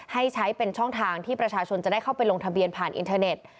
ให้ใช้เป็นช่องทางที่ประชาชนจะได้เข้าไปลงทะเบียนผ่านอินเทอร์เน็ต